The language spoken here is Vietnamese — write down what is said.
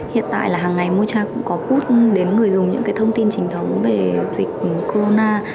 hiện tại là hằng ngày mocha cũng có bút đến người dùng những thông tin trình thống về dịch corona